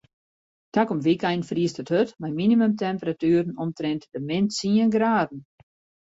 Takom wykein friest it hurd mei minimumtemperatueren omtrint de min tsien graden.